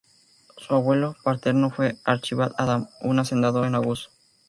Su abuelo paterno fue Archibald Adam, un hacendado en Angus.